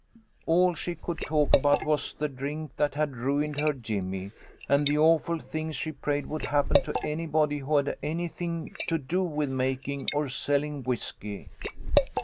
All she could talk about was the drink that had ruined her Jimmy, and the awful things she prayed would happen to anybody who had anything to do with making or selling whiskey.